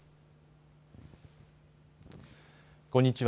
こんにちは。